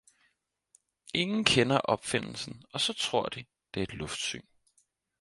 Ingen kender opfindelsen og så tror de, det er et luftsyn.